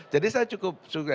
jadi saya cukup